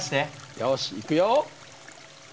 よしいくよ。